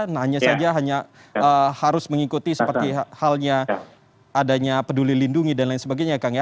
nah hanya saja hanya harus mengikuti seperti halnya adanya peduli lindungi dan lain sebagainya ya kang ya